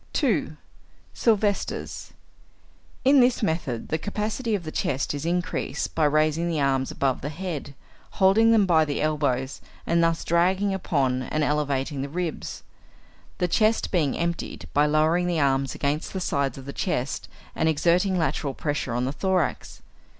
2. Silvester's. In this method the capacity of the chest is increased by raising the arms above the head, holding them by the elbows, and thus dragging upon and elevating the ribs, the chest being emptied by lowering the arms against the sides of the chest and exerting lateral pressure on the thorax.